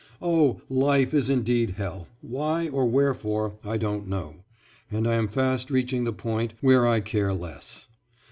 Oh! life is indeed hell why, or wherefore, I don't know, and I am fast reaching the point where I care less.